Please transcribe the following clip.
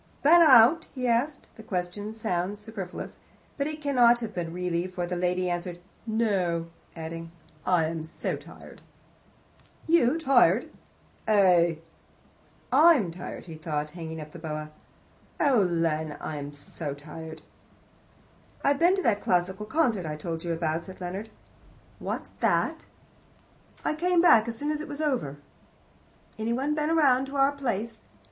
"Been out?" he asked. The question sounds superfluous, but it cannot have been really, for the lady answered, "No," adding, "Oh, I am so tired." "You tired?" "Eh?" "I'm tired," said he, hanging the boa up. "Oh, Len, I am so tired." "I've been to that classical concert I told you about," said Leonard. "What's that?" "I came back as soon as it was over." "Any one been round to our place?"